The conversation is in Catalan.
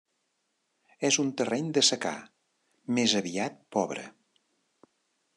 És un terreny de secà, més aviat pobre.